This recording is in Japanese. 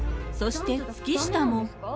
そして月下も。